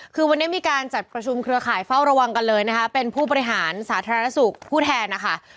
คือวันนี้มีการจัดประชุมเครือข่ายเฝ้าระวังกันเลยนะคะเป็นผู้บริหารสาธารณสุขผู้แทนนะคะ